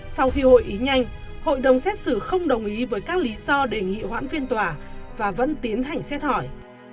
sau khi hội ý nhanh hội đồng xét xử không đồng ý với các lý do đề nghị hoãn phiên tòa và vẫn tiến hành xét hỏi